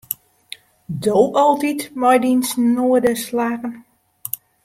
Do altyd mei dyn snoade slaggen.